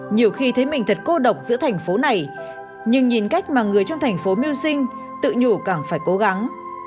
nhiều khi thấy mình thật cô độc giữa thành phố này nhưng nhìn cách mà người trong thành phố miêu sinh tự nhủ càng phải cố gắng